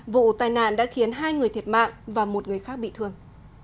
vụ tai nạn đã khiến hai người thiệt mạng và một người khác bị thương